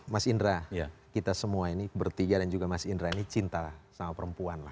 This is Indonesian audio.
mas indra kita semua ini bertiga dan juga mas indra ini cinta sama perempuan lah